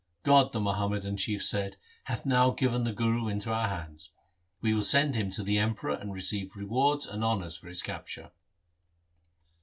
' God the Muhammadan chief said, ' hath now given the Guru into our hands ; we will send him to the Emperor and receive rewards and honours for his capture.'